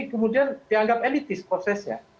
kemudian dianggap elitis prosesnya